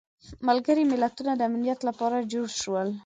ملګري ملتونه د امنیت لپاره جوړ شول.